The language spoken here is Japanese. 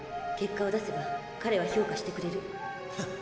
結果を出せば彼は評価してくれる。